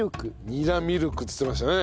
ニラミルクって言ってましたね。